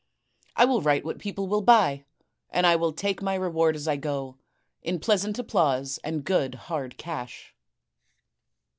I will write what people will buy; and I will take my reward as I go, in pleasant applause and good hard cash.